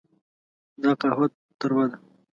دا قهوه تروه ده.